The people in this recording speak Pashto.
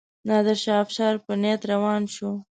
نادرشاه افشار په نیت روان شو.